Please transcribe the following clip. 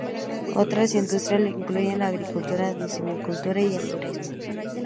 Otras industrias incluyen la agricultura, la silvicultura y el turismo.